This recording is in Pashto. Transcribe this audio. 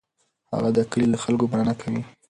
هغه د کلي له خلکو مننه کوي.